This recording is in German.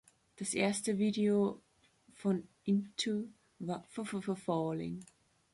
Das erste Video von "Into" war "F-F-F-Falling".